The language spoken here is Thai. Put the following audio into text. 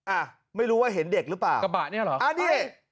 อ่ะไม่รู้ว่าเห็นเด็กหรือเปล่ากระบะเนี่ยเหรออ่านี่